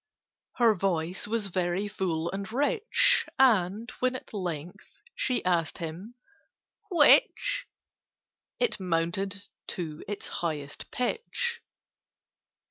Her voice was very full and rich, And, when at length she asked him "Which?" It mounted to its highest pitch.